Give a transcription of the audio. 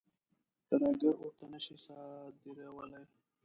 ترهګر ورته نه شي صادرولای.